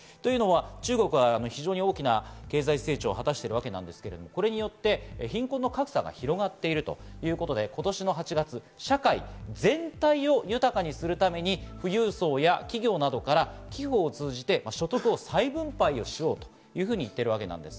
中国は非常に大きな経済成長を果たしていますけれど、これによって貧困の格差が広がっているということで今年８月、社会全体を豊かにするために富裕層や企業などから寄付を通じて所得を再分配しようというふうに言っています。